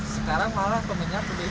sekarang malah pembeli pembeli banyak